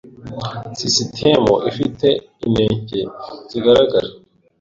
Sisitemu ifite inenge zigaragara.